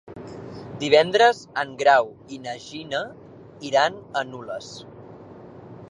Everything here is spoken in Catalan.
Divendres en Grau i na Gina iran a Nules.